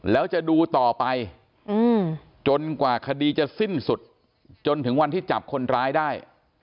แล้วจะดูต่อไปจนกว่าคดีจะสิ้นสุดจนถึงวันที่จับคนร้ายได้